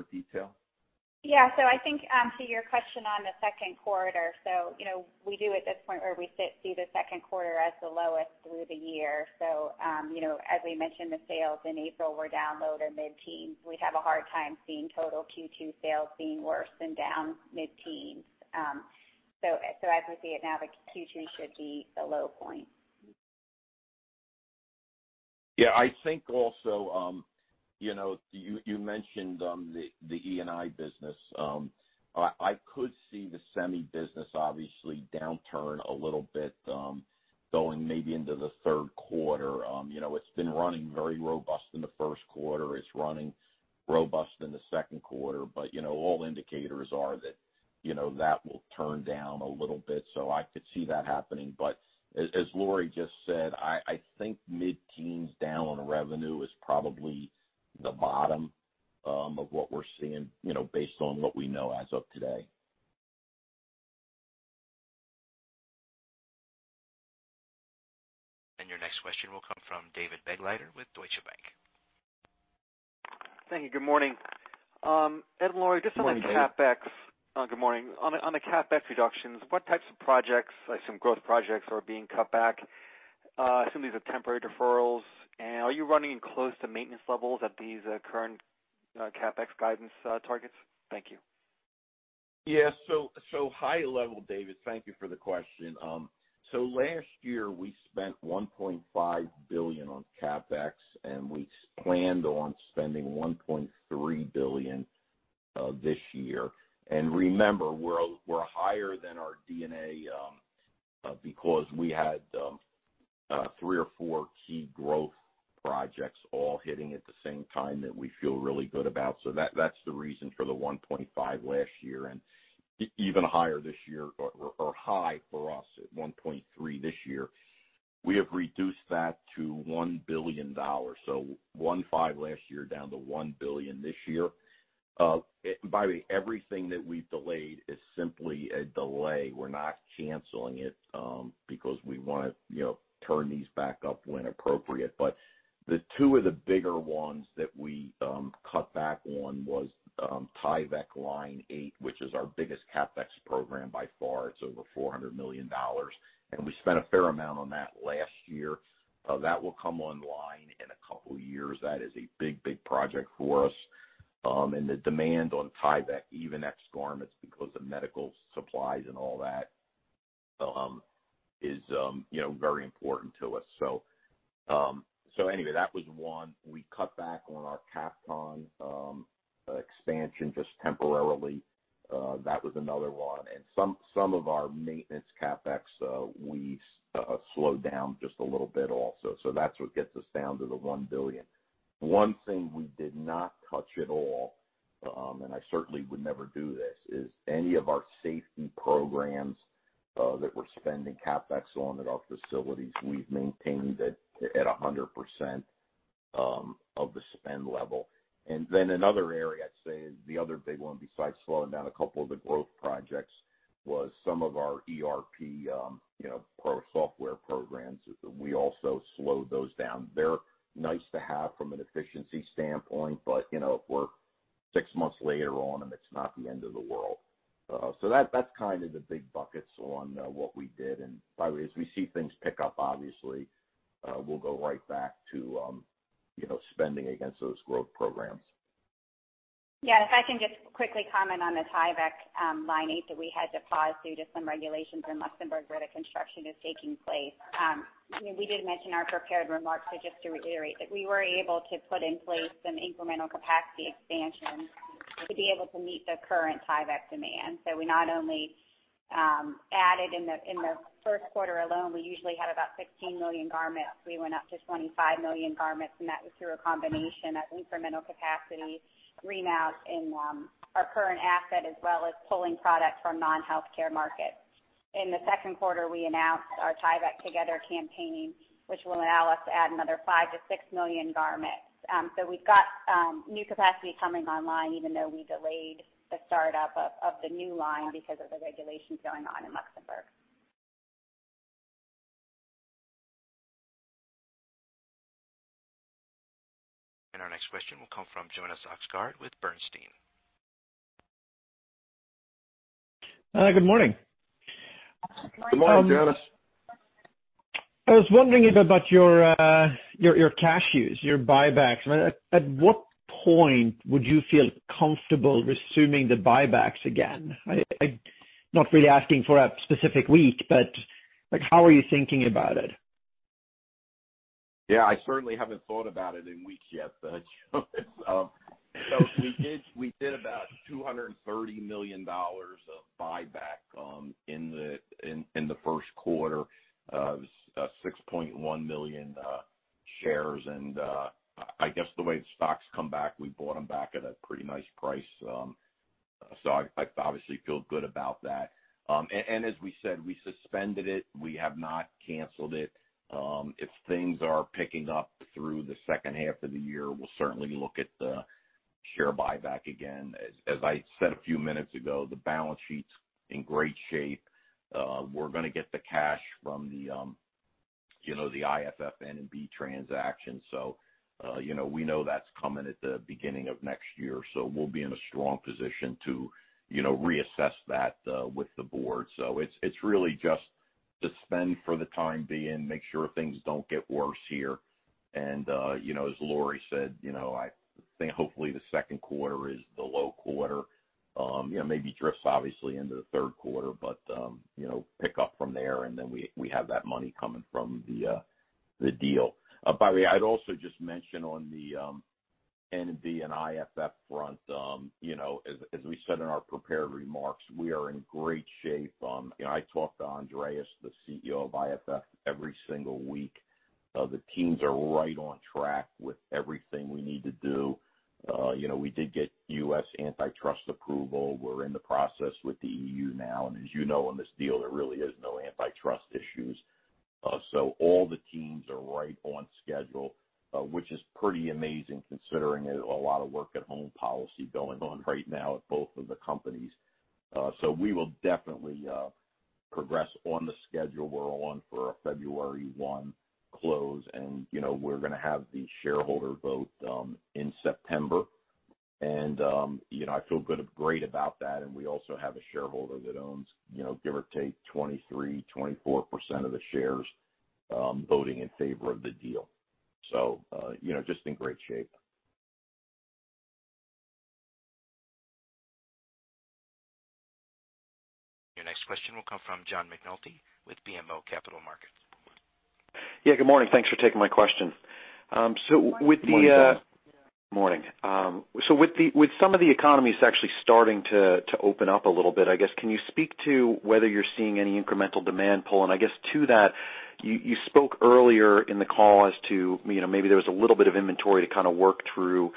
more detail? Yeah. I think to your question on the second quarter, we do at this point where we sit see the second quarter as the lowest through the year. As we mentioned, the sales in April were down low to mid-teens. We'd have a hard time seeing total Q2 sales being worse than down mid-teens. As we see it now, the Q2 should be the low point. Yeah, I think also, you mentioned the E&I business. I could see the semi business obviously downturn a little bit, going maybe into the third quarter. It's been running very robust in the first quarter. It's running robust in the second quarter. All indicators are that that will turn down a little bit. I could see that happening. As Lori just said, I think mid-teens down on revenue is probably the bottom of what we're seeing based on what we know as of today. Your next question will come from David Begleiter with Deutsche Bank. Thank you. Good morning. Good morning, David. Ed and Lori, just on the CapEx. Good morning. On the CapEx reductions, what types of projects, I assume growth projects, are being cut back? I assume these are temporary deferrals. Are you running close to maintenance levels at these current CapEx guidance targets? Thank you. Yeah. High level, David, thank you for the question. Last year we spent $1.5 billion on CapEx, and we planned on spending $1.3 billion this year. Remember, we're higher than our D&A, because we had three or four key growth projects all hitting at the same time that we feel really good about. That's the reason for the $1.5 last year and even higher this year, or high for us at $1.3 this year. We have reduced that to $1 billion. $1.5 last year down to $1 billion this year. By the way, everything that we've delayed is simply a delay. We're not canceling it, because we want to turn these back up when appropriate. The two of the bigger ones that we cut back on was Tyvek Line 8, which is our biggest CapEx program by far. It's over $400 million. We spent a fair amount on that last year. That will come online in a couple of years. That is a big project for us. The demand on Tyvek, even ex-garments, because of medical supplies and all that, is very important to us. That was one. We cut back on our Kapton expansion just temporarily. That was another one. Some of our maintenance CapEx, we slowed down just a little bit also. That's what gets us down to the $1 billion. One thing we did not touch at all, and I certainly would never do this, is any of our safety programs that we're spending CapEx on at our facilities. We've maintained it at 100% of the spend level. Another area I'd say is the other big one, besides slowing down a couple of the growth projects, was some of our ERP Pro software programs. We also slowed those down. They're nice to have from an efficiency standpoint, but if we're six months later on and it's not the end of the world. That's kind of the big buckets on what we did. By the way, as we see things pick up, obviously, we'll go right back to spending against those growth programs. Yeah. If I can just quickly comment on the Tyvek Line 8 that we had to pause due to some regulations in Luxembourg where the construction is taking place. We did mention our prepared remarks, but just to reiterate that we were able to put in place some incremental capacity expansion to be able to meet the current Tyvek demand. We not only added in the first quarter alone, we usually had about 16 million garments. We went up to 25 million garments, and that was through a combination of incremental capacity remaps in our current asset, as well as pulling product from non-healthcare markets. In the second quarter, we announced our TyvekTogether campaign, which will allow us to add another 5 million-6 million garments. We've got new capacity coming online, even though we delayed the startup of the new line because of the regulations going on in Luxembourg. Our next question will come from Jonas Oxgaard with Bernstein. Good morning. Good morning. Good morning, Jonas. I was wondering about your cash use, your buybacks. At what point would you feel comfortable resuming the buybacks again? I'm not really asking for a specific week, but how are you thinking about it? I certainly haven't thought about it in weeks yet, we did about $230 million of buyback in the first quarter, 6.1 million shares. And I guess the way the stock's come back, we bought them back at a pretty nice price. I obviously feel good about that. As we said, we suspended it. We have not canceled it. If things are picking up through the second half of the year, we'll certainly look at the share buyback again. As I said a few minutes ago, the balance sheet's in great shape. We're going to get the cash from the IFF N&B transaction. We know that's coming at the beginning of next year. We'll be in a strong position to reassess that with the board. It's really just suspend for the time being, make sure things don't get worse here. As Lori said, I think hopefully the second quarter is the low quarter. Maybe drifts obviously into the third quarter, but pick up from there, and then we have that money coming from the deal. By the way, I'd also just mention on the N&B and IFF front, as we said in our prepared remarks, we are in great shape. I talk to Andreas, the CEO of IFF, every single week. The teams are right on track with everything we need to do. We did get U.S. antitrust approval. We're in the process with the EU now, and as you know, in this deal, there really is no antitrust issues. All the teams are right on schedule, which is pretty amazing considering a lot of work-at-home policy going on right now at both of the companies. We will definitely progress on the schedule we're on for a February 1 close, and we're going to have the shareholder vote in September. I feel great about that, and we also have a shareholder that owns, give or take, 23%, 24% of the shares, voting in favor of the deal. Just in great shape. Your next question will come from John McNulty with BMO Capital Markets. Yeah, good morning. Thanks for taking my question. Morning, John. Morning. With some of the economies actually starting to open up a little bit, I guess, can you speak to whether you're seeing any incremental demand pull? I guess to that, you spoke earlier in the call as to maybe there was a little bit of inventory to kind of work through,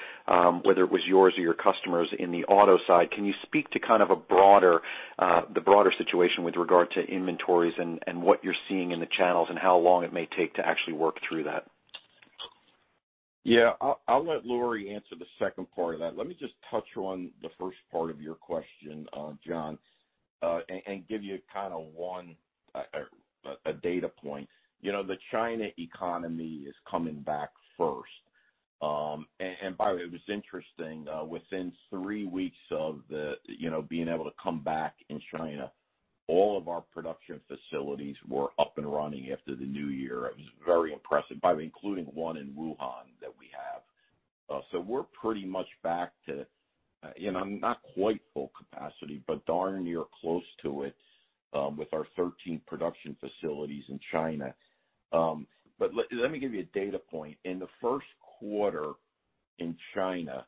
whether it was yours or your customers in the auto side. Can you speak to the broader situation with regard to inventories and what you're seeing in the channels and how long it may take to actually work through that? Yeah, I'll let Lori answer the second part of that. Let me just touch on the first part of your question, John, and give you kind of a data point. The China economy is coming back first. By the way, it was interesting within three weeks of being able to come back in China, all of our production facilities were up and running after the new year. It was very impressive. By the way, including one in Wuhan that we have. We're pretty much back to not quite full capacity, but darn near close to it with our 13 production facilities in China. Let me give you a data point. In the first quarter in China,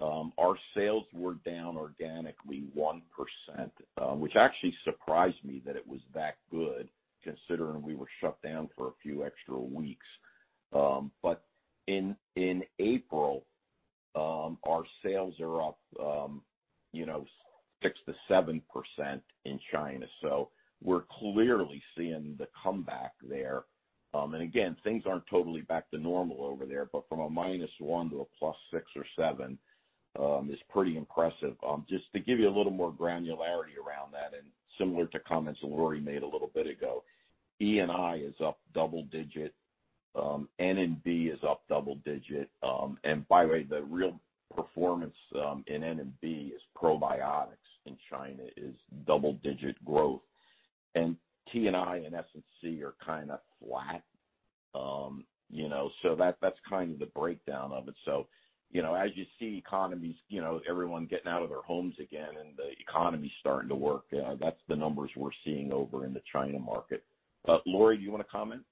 our sales were down organically 1%, which actually surprised me that it was that good considering we were shut down for a few extra weeks. In April, our sales are up 6%-7% in China. We're clearly seeing the comeback there. Again, things aren't totally back to normal over there, but from a -1 to a +6 or +7 is pretty impressive. Just to give you a little more granularity around that, and similar to comments Lori made a little bit ago, E&I is up double digit. N&B is up double digit. By the way, the real performance in N&B is probiotics in China is double-digit growth. T&I and S&C are kind of flat. That's kind of the breakdown of it. As you see economies, everyone getting out of their homes again and the economy starting to work, that's the numbers we're seeing over in the China market. Lori, do you want to comment?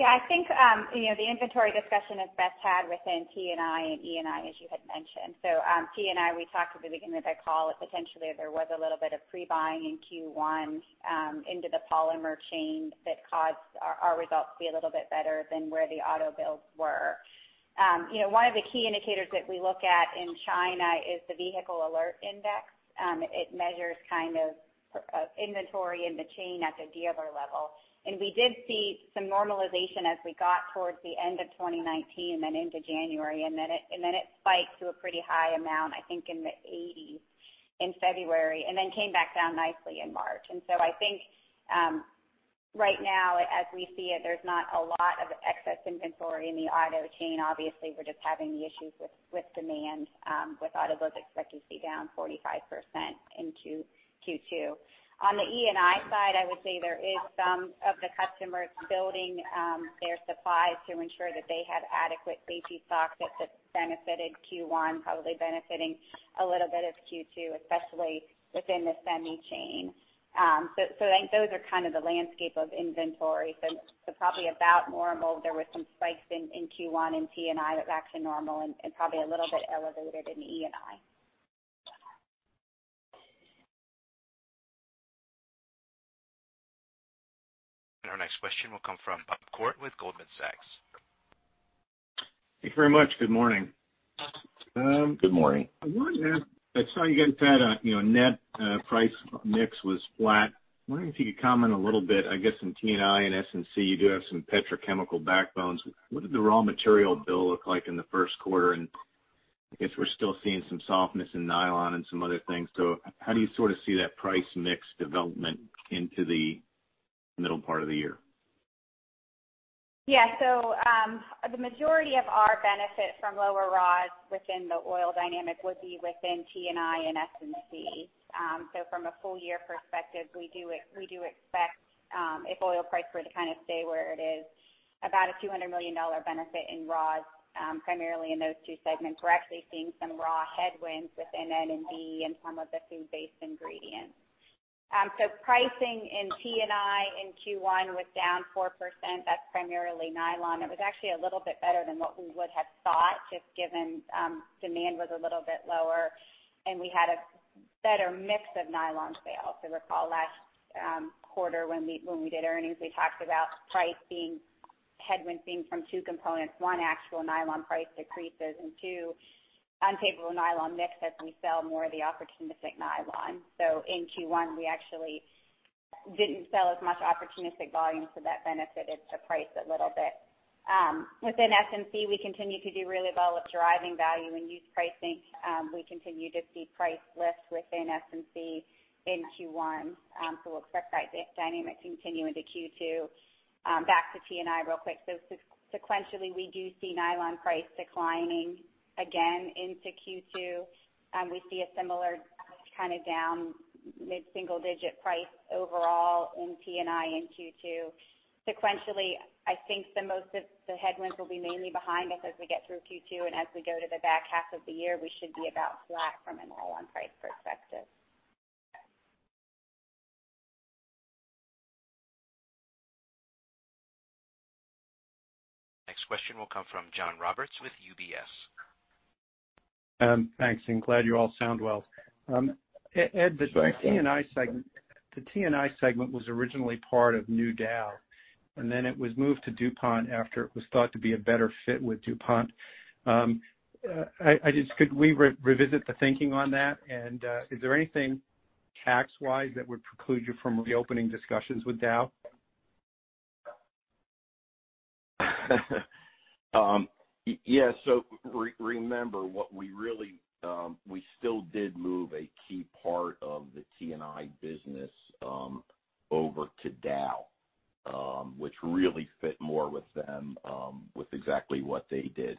I think, the inventory discussion is best had within T&I and E&I, as you had mentioned. T&I, we talked at the beginning of the call that potentially there was a little bit of pre-buying in Q1 into the polymer chain that caused our results to be a little bit better than where the auto builds were. One of the key indicators that we look at in China is the Vehicle Inventory Alert Index. It measures kind of inventory in the chain at the dealer level. We did see some normalization as we got towards the end of 2019, then into January, and then it spiked to a pretty high amount, I think in the 80s in February, and then came back down nicely in March. I think, right now as we see it, there's not a lot of excess inventory in the auto chain. We're just having issues with demand, with automobiles expected to be down 45% in Q2. On the E&I side, I would say there is some of the customers building their supplies to ensure that they have adequate safety stock that's benefited Q1, probably benefiting a little bit of Q2, especially within the semi chain. I think those are kind of the landscape of inventory. Probably about normal. There were some spikes in Q1 in T&I, but back to normal and probably a little bit elevated in E&I. Our next question will come from Bob Koort with Goldman Sachs. Thank you very much. Good morning. Good morning. I was wondering, I saw you guys had a net price mix was flat. I was wondering if you could comment a little bit, I guess, in T&I and S&C, you do have some petrochemical backbones. What did the raw material bill look like in the first quarter? I guess we're still seeing some softness in nylon and some other things. How do you sort of see that price mix development into the middle part of the year? The majority of our benefit from lower raws within the oil dynamic would be within T&I and S&C. From a full-year perspective, we do expect, if oil price were to kind of stay where it is, about a $200 million benefit in raws, primarily in those two segments. We're actually seeing some raw headwinds within N&B and some of the food-based ingredients. Pricing in T&I in Q1 was down 4%. That's primarily nylon. It was actually a little bit better than what we would have thought, just given demand was a little bit lower, and we had better mix of nylon sales. If you recall last quarter when we did earnings, we talked about price being headwinding from two components. One, actual nylon price decreases, and two, unfavorable nylon mix as we sell more of the opportunistic nylon. In Q1, we actually didn't sell as much opportunistic volume, so that benefited the price a little bit. Within S&C, we continue to do really well with driving value and used pricing. We continue to see price lifts within S&C in Q1. We'll expect that dynamic to continue into Q2. Back to T&I real quick. Sequentially, we do see nylon price declining again into Q2. We see a similar kind of down mid-single-digit price overall in T&I in Q2. Sequentially, I think the most of the headwinds will be mainly behind us as we get through Q2 and as we go to the back half of the year, we should be about flat from a nylon price perspective. Next question will come from John Roberts with UBS. Thanks, and glad you all sound well. Ed, the T&I segment was originally part of new Dow, and then it was moved to DuPont after it was thought to be a better fit with DuPont. Could we revisit the thinking on that? Is there anything tax-wise that would preclude you from reopening discussions with Dow? Yeah, remember, we still did move a key part of the T&I business over to Dow, which really fit more with them with exactly what they did.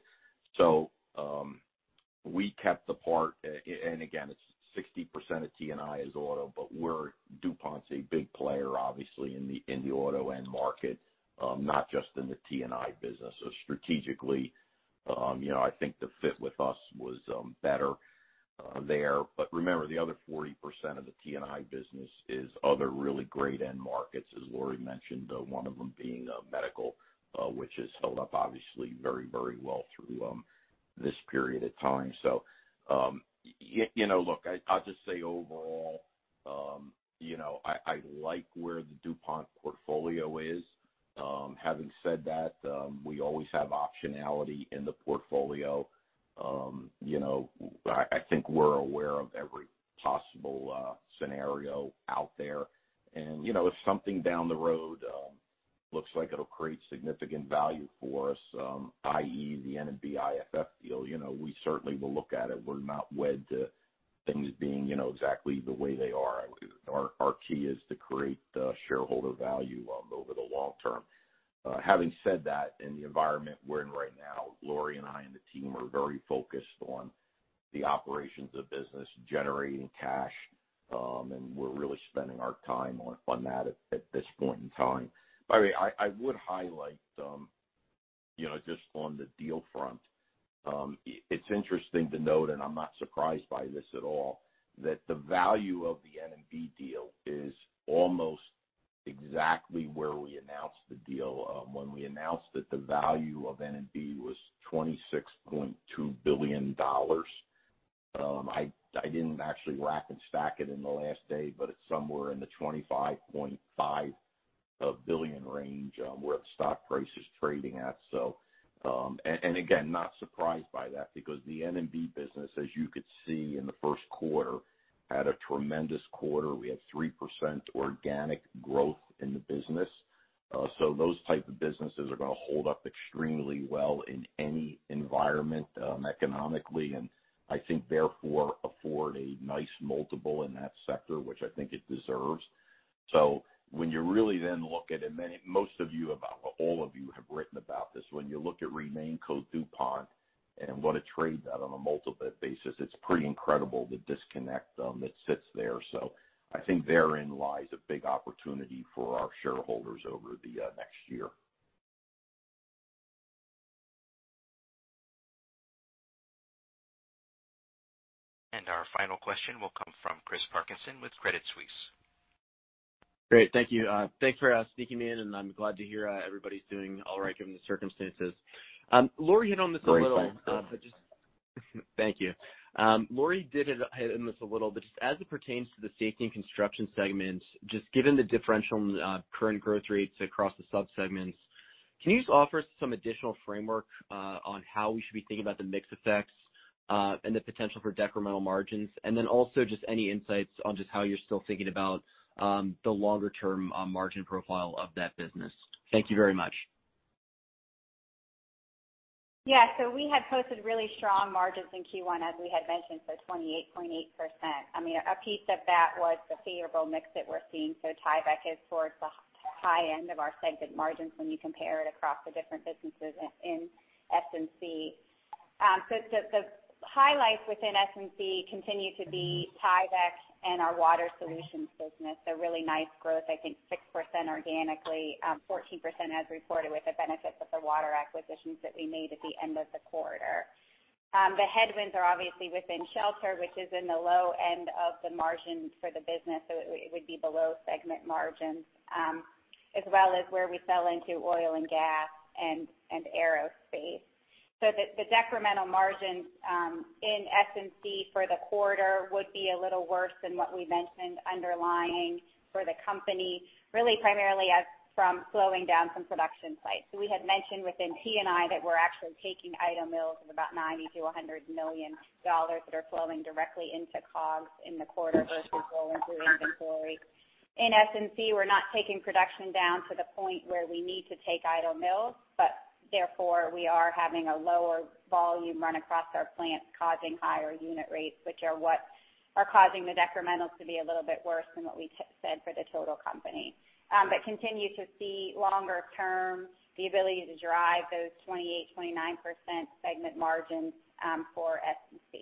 We kept the part, and again, it's 60% of T&I is auto, but DuPont's a big player, obviously, in the auto end market, not just in the T&I business. Strategically I think the fit with us was better there. Remember, the other 40% of the T&I business is other really great end markets, as Lori mentioned, one of them being medical, which has held up obviously very well through this period of time. Look, I'll just say overall I like where the DuPont portfolio is. Having said that, we always have optionality in the portfolio. I think we're aware of every possible scenario out there. If something down the road looks like it'll create significant value for us, i.e., the N&B IFF deal, we certainly will look at it. We're not wed to things being exactly the way they are. Our key is to create shareholder value over the long-term. Having said that, in the environment we're in right now, Lori and I and the team are very focused on the operations of business, generating cash, and we're really spending our time on that at this point in time. By the way, I would highlight, just on the deal front, it's interesting to note, and I'm not surprised by this at all, that the value of the N&B deal is almost exactly where we announced the deal. When we announced it, the value of N&B was $26.2 billion. I didn't actually rack and stack it in the last day, but it's somewhere in the $25.5 billion range, where the stock price is trading at. Again, not surprised by that because the N&B business, as you could see in the first quarter, had a tremendous quarter. We had 3% organic growth in the business. Those type of businesses are going to hold up extremely well in any environment economically, and I think therefore afford a nice multiple in that sector, which I think it deserves. When you really look at it, most of you, about all of you have written about this. When you look at RemainCo DuPont and want to trade that on a multiple basis, it's pretty incredible the disconnect that sits there. I think therein lies a big opportunity for our shareholders over the next year. Our final question will come from Chris Parkinson with Credit Suisse. Great, thank you. Thanks for sneaking me in. I'm glad to hear everybody's doing all right given the circumstances. Lori hit on this a little. Great, thanks. Thank you. Lori did hit on this a little, but just as it pertains to the Safety & Construction segment, just given the differential on current growth rates across the subsegments, can you just offer us some additional framework on how we should be thinking about the mix effects and the potential for decremental margins? Also just any insights on just how you're still thinking about the longer-term margin profile of that business. Thank you very much. We had posted really strong margins in Q1, as we had mentioned, 28.8%. I mean, a piece of that was the favorable mix that we're seeing, Tyvek is towards the high end of our segment margins when you compare it across the different businesses in S&C. The highlights within S&C continue to be Tyvek and our Water Solutions business, really nice growth. I think 6% organically, 14% as reported with the benefits of the water acquisitions that we made at the end of the quarter. The headwinds are obviously within shelter, which is in the low end of the margins for the business, it would be below segment margins, as well as where we fell into oil and gas and aerospace. The decremental margins in S&C for the quarter would be a little worse than what we mentioned underlying for the company, really primarily from slowing down some production sites. We had mentioned within T&I that we're actually taking idle mills of about $90 million-$100 million that are flowing directly into COGS in the quarter versus rolling through inventory. In S&C, we're not taking production down to the point where we need to take idle mills, but therefore we are having a lower volume run across our plants causing higher unit rates, which are what are causing the decrementals to be a little bit worse than what we said for the total company. Continue to see longer term, the ability to drive those 28%-29% segment margins for S&C.